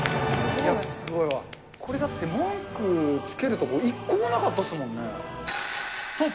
これ、これだって、文句つけるところ一個もなかったっすもんね。